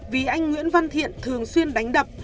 vì anh nguyễn văn thiện thường xuyên đánh đập